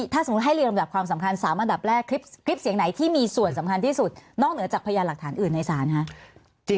ถ้าสมมุติให้เรียงลำดับความสำคัญ๓อันดับแรกคลิปเสียงไหนที่มีส่วนสำคัญที่สุดนอกเหนือจากพยานหลักฐานอื่นในศาลคะ